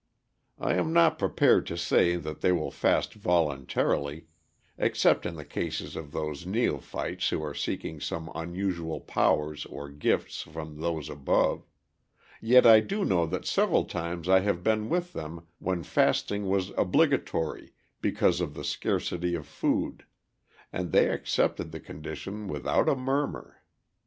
I am not prepared to say that they will fast voluntarily except in the cases of those neophytes who are seeking some unusual powers or gifts from Those Above yet I do know that several times I have been with them when fasting was obligatory because of the scarcity of food, and they accepted the condition without a murmur.